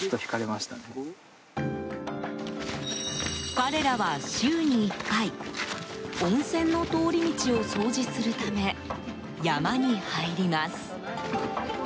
彼らは週に１回温泉の通り道を掃除するため山に入ります。